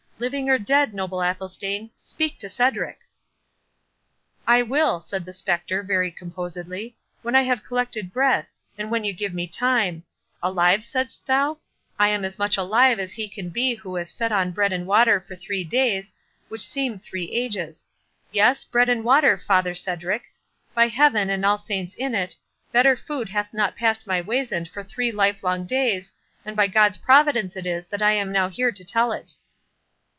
—Living or dead, noble Athelstane, speak to Cedric!" "I will," said the spectre, very composedly, "when I have collected breath, and when you give me time—Alive, saidst thou?—I am as much alive as he can be who has fed on bread and water for three days, which seem three ages—Yes, bread and water, Father Cedric! By Heaven, and all saints in it, better food hath not passed my weasand for three livelong days, and by God's providence it is that I am now here to tell it."